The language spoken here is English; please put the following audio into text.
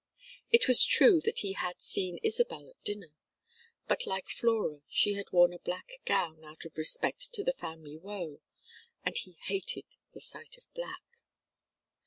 It was true that he had seen Isabel at dinner, but like Flora she had worn a black gown out of respect to the family woe, and he hated the sight of black.